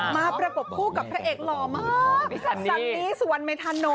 มาประกบคู่กับพระเอกหล่อมากสันนี้สวรรค์เมธานนท์